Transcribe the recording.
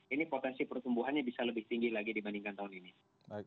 ini potensi pertumbuhannya bisa lebih tinggi lagi dibandingkan tahun ini